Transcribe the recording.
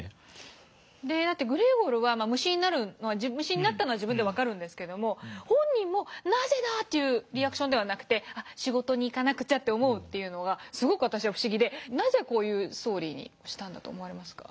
だってグレーゴルは虫になったのは自分で分かるんですけども本人も「なぜだ」というリアクションではなくて「あ仕事に行かなくちゃ」と思うというのがすごく私は不思議でなぜこういうストーリーにしたんだと思われますか？